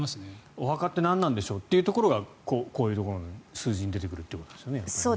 お墓って何なんでしょうっていうところがこういうところの数字に出てくるってことですよね。